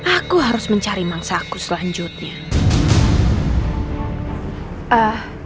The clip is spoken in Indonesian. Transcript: aku harus mencari mangsaku selanjutnya